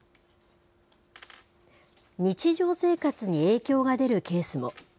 日常生活に影響が出るケースも。